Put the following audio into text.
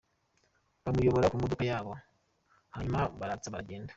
Bamuyobora ku modoka yabo hanyuma baratsa baragenda.”